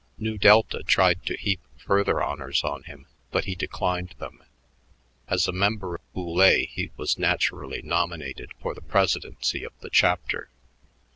Nu Delta tried to heap further honors on him, but he declined them. As a member of Boulé he was naturally nominated for the presidency of the chapter.